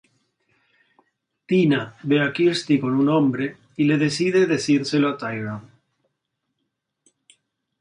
Tina ve a Kirsty con un hombre y le decide decírselo a Tyrone.